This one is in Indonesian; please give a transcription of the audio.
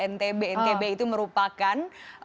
ntb ntb itu merupakan